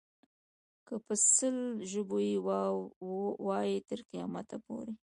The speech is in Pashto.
که په سل ژبو یې وایې تر قیامته پورې.